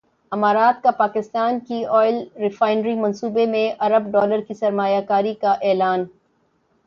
امارات کا پاکستان کی ئل ریفائنری منصوبے میں ارب ڈالر کی سرمایہ کاری کا اعلان